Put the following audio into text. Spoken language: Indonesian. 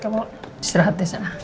kamu istirahat disana